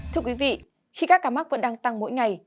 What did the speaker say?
thưa quý vị khi các ca mắc vẫn đang tăng mỗi ngày